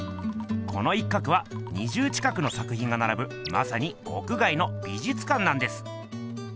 この一角は２０近くの作品がならぶまさに屋外の美術館なんです！